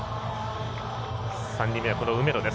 ３人目は梅野です。